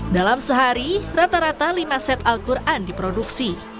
dalam sehari rata rata lima set al quran diproduksi